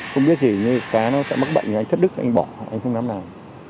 không biết gì nếu cá nó sẽ mất bệnh anh thất đức anh bỏ anh không dám làm